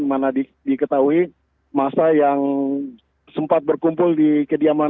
mana diketahui masa yang sempat berkumpul di kediaman